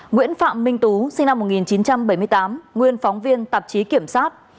nguyễn phạm minh tú sinh năm một nghìn chín trăm bảy mươi tám nguyên phóng viên tạp chí kiểm soát